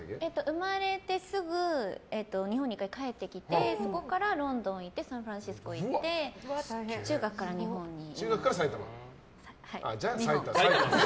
生まれてすぐ日本に１回帰ってきてそこからロンドン行ってサンフランシスコ行って中学から日本にいます。